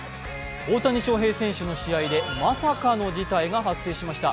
大谷翔平選手の試合でまさかの事態が発生しました。